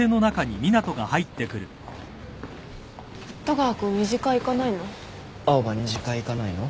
戸川君２次会行かないの？